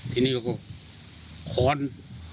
ทีนี่ก็แค่ค้นทุบหัวหมูมาแล้ว